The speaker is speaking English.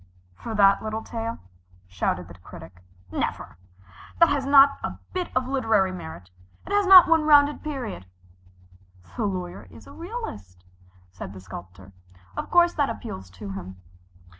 "For that little tale," shouted the Critic. "Never! That has not a bit of literary merit. It has not one rounded period." "The Lawyer is a realist," said the Sculptor. "Of course that appeals to him."